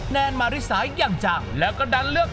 แนนมาริสาอย่างจังแล้วก็ดันเลือก